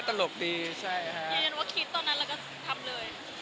อย่างนั้นว่าคิดตอนนั้นแล้วก็ทำเลย